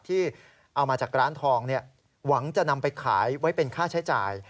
ที่เอามาจากร้านทองหวังจะนำไปขายไว้เป็นค่าใช้จ่าย